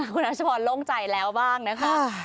คุณรัชพรโล่งใจแล้วบ้างนะคะ